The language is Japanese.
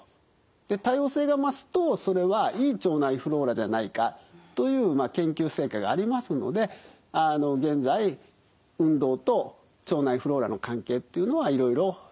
多様性が増すとそれはいい腸内フローラじゃないかという研究成果がありますのであの現在運動と腸内フローラの関係っていうのはいろいろ調べられております。